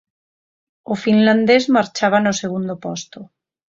O finlandés marchaba no segundo posto.